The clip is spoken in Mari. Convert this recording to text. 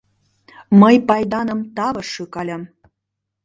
Мый пайданым тавыш шӱкальым.